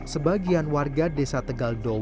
sebagian warga desa tegal dowo